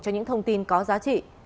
cho những thông tin có giá trị